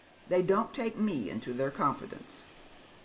They don't take me into their confidence."